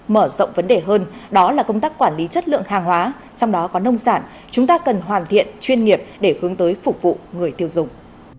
mở rộng vấn đề hơn đó là công tác quản lý chất lượng hàng hóa trong đó có nông sản chúng ta cần hoàn thiện chuyên nghiệp để hướng tới phục vụ người tiêu dùng